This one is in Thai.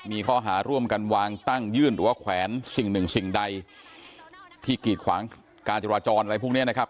มีข้อหาร่วมกันวางตั้งยื่นหรือว่าแขวนสิ่งหนึ่งสิ่งใดที่กีดขวางการจราจรอะไรพวกนี้นะครับ